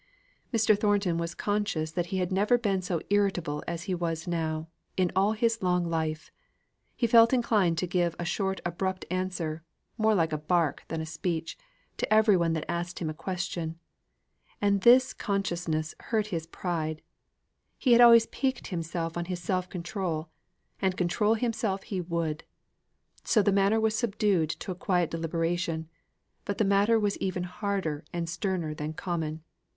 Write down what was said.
Mr. Thornton was conscious that he had never been so irritable as he was now, in all his life long; he felt inclined to give a short abrupt answer, more like a bark than a speech, to every one that asked him a question; and this consciousness hurt his pride: he had always piqued himself on his self control, and control himself he would. So the manner was subdued to a quiet deliberation, but the matter was even harder and sterner than common.